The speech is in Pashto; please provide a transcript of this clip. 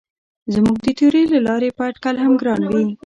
زموږ د تیورۍ له لارې به اټکل هم ګران وي.